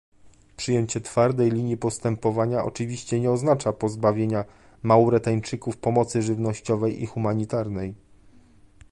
Przyjęcie twardej linii postępowania oczywiście nie oznacza pozbawienia Mauretańczyków pomocy żywnościowej i humanitarnej